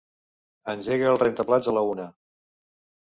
Engega el rentaplats a la una.